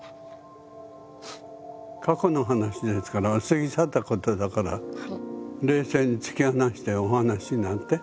過去のお話ですから過ぎ去ったことだから冷静に突き放してお話しになって。